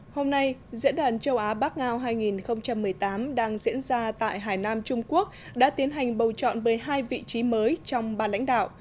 hôm nay diễn đàn châu á bắc ngao hai nghìn một mươi tám đang diễn ra tại hải nam trung quốc đã tiến hành bầu chọn với hai vị trí mới trong ba lãnh đạo